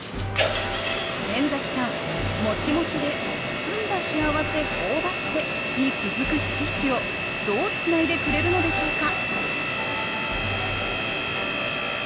先崎さん「もちもちでつつんだ幸せほおばって」に続く七七をどうつないでくれるのでしょうか？